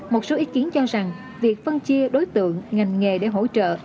một số ý kiến cho rằng việc phân chia đối tượng ngành nghề để hỗ trợ